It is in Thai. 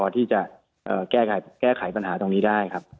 ที่จะแก้ไขปัญหาตรงนี้ได้ครับ